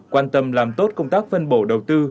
quan tâm làm tốt công tác phân bổ đầu tư